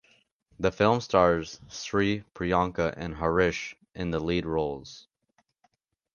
The film stars Sri Priyanka and Harish in the lead roles.